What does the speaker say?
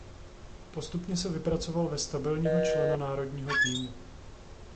Postupně se vypracoval ve stabilního člena národního týmu.